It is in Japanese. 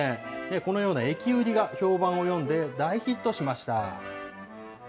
このような駅売りが評判を呼んで、大ヒットしました。